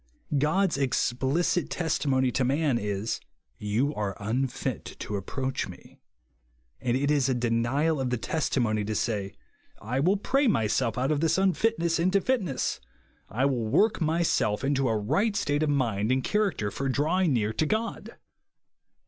God's explicit testimony to man is, " You are unfit to approach me ;" and it is a de nial of the testimony to say, " I will pray myself out of this unfitness into fitness ; I will work myself into a right state of mind and character for drawing near to God."